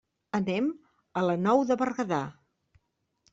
Anem a la Nou de Berguedà.